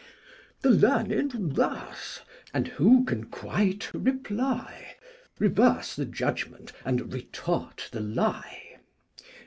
The Learned thus, and who can quite reply, Reverse the Judgment, and Retort the Lie?